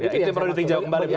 itu yang perlu dijawab kembali